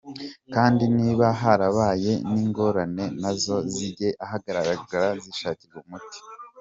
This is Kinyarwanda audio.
Kandi niba harabaye n’ingorane, nazo zijye ahagaragara zishakirwe umuti.